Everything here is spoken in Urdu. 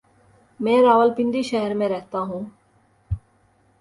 میں راولپنڈی شہر میں رہتا ہوں۔